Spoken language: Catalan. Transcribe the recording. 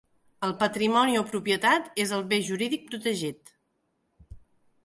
El patrimoni o propietat és el bé jurídic protegit.